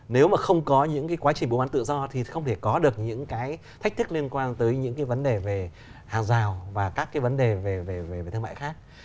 nếu mà không có những cái quá trình buôn bán tự do thì không thể có được những cái thách thức liên quan tới những cái vấn đề về hàng rào và các cái vấn đề về thương mại khác